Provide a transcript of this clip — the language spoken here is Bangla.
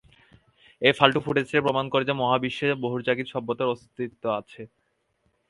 এই ফালতু ফুটেজটাই প্রমাণ করে যে, মহাবিশ্বে বহির্জাগতিক সভ্যতার অস্তিত্ব আছে।